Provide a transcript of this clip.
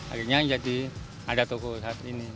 akhirnya jadi ada toko saat ini